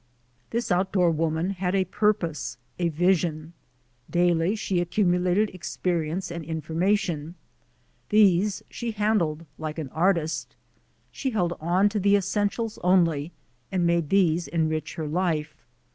This outdoor woman had a purpose — a vision. Daily she accumulated experience and informa tion. These she handled like an artist. She held on to the essentials only and made these enrich her life.